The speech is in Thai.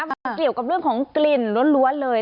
มันเกี่ยวกับเรื่องของกลิ่นล้วนเลย